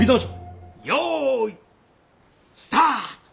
よいスタート。